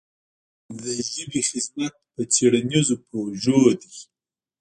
د ژبې خدمت په څېړنیزو پروژو دی.